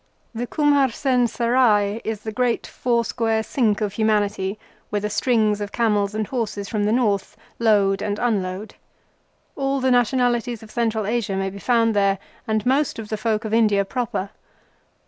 The Kumharsen Serai is the great four square sink of humanity where the strings of camels and horses from the North load and unload. All the nationalities of Central Asia may be found there, and most of the folk of India proper.